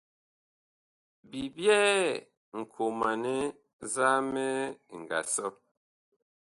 Bi byɛɛ nkomanɛ nzamɛ ɛ nga sɔ.